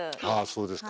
そうですか。